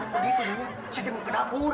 begitu nyonya saya mau ke dapur